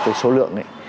cái số lượng